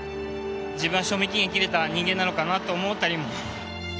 自分は賞味期限が切れた人間なのかなと思ったりも。